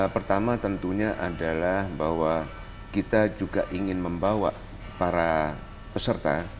pertama tentunya adalah bahwa kita juga ingin membawa para peserta